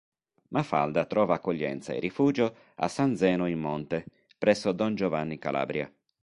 Mafalda trova accoglienza e rifugio a San Zeno in Monte presso don Giovanni Calabria.